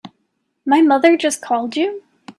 My mother just called you?